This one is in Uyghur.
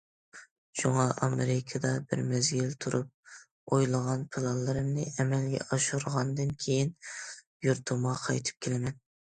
شۇڭا، ئامېرىكىدا بىر مەزگىل تۇرۇپ ئويلىغان پىلانلىرىمنى ئەمەلگە ئاشۇرغاندىن كېيىن، يۇرتۇمغا قايتىپ كېلىمەن.